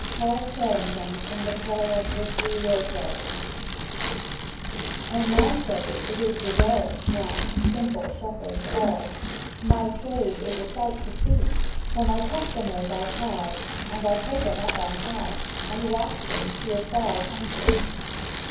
CHARLES CHARRINGTON in the play of "The Three Wayfarers") O MY trade it is the rarest one, Simple shepherds all— My trade is a sight to see; For my customers I tie, and take 'em up on high, And waft 'em to a far countree!